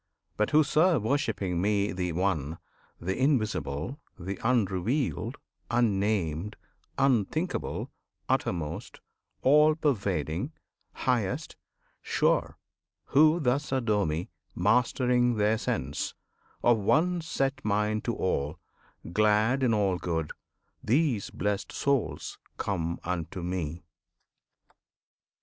But who serve Worshipping Me The One, The Invisible, The Unrevealed, Unnamed, Unthinkable, Uttermost, All pervading, Highest, Sure Who thus adore Me, mastering their sense, Of one set mind to all, glad in all good, These blessed souls come unto Me.